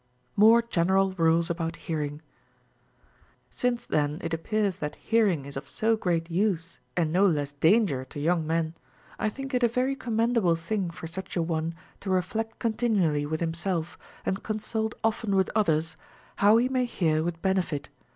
More General Rules about Hearing. 3. Since then it appears that hearing is of so great use and no less danger to young men, I think it a very com mendable thing for such a one to reflect continually with himself, and consult often with others, how he may hear Λvith benefit.